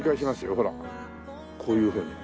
ほらこういうふうに。